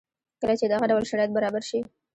کله چې دغه ډول شرایط برابر شي